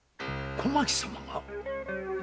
小牧様が？